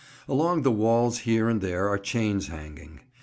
Along the walls here and there are chains hanging.